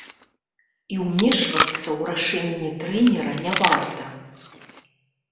І ўмешвацца ў рашэнні трэнера не варта.